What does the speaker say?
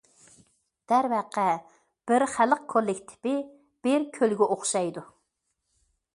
دەرۋەقە، بىر خەلق كوللېكتىپى بىر كۆلگە ئوخشايدۇ.